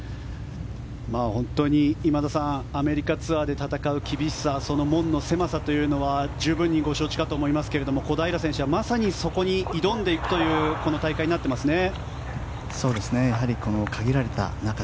本当に今田さんアメリカツアーで戦う厳しさその門の狭さというのは十分にご承知かと思いますが小平選手はまさにそこに挑んでいくというこの大会になってますね。